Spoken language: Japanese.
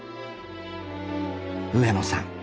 上野さん